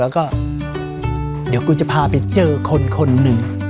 แล้วก็เดี๋ยวกูจะพาไปเจอคนคนหนึ่ง